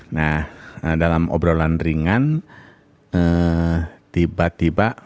nah dalam obrolan ringan tiba tiba